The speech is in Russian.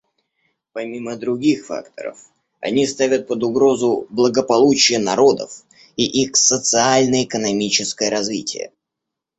Помимо других факторов, они ставят под угрозу благополучие народов и их социально-экономическое развитие.